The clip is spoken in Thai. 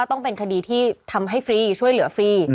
ต้องเป็นคดีช่วยเหลือฟรี